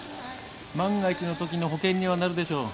万が一の時の保険にはなるでしょう。